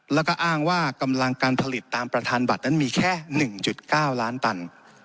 แล้วก็อ้างว่ากำลังการผลิตตามประธานบัตรนั้นมีแค่๑๙ล้านตัน